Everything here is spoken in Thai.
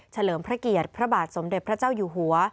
เลิมพระเกียรติพระบาทสมเด็จพระเจ้าอยู่หัว